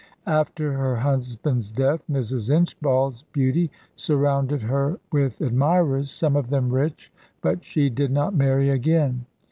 After her husband's death, Mrs. Inchbald's beauty surrounded her with admirers, some of them rich, but she did not marry again.